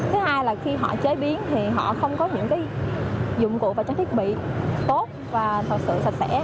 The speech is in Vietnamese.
thứ hai là khi họ chế biến thì họ không có những dụng cụ và trang thiết bị tốt và thật sự sạch sẽ